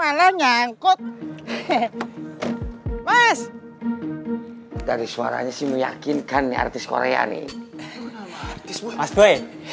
malah nyangkut hehehe mas dari suaranya sih meyakinkan artis korea nih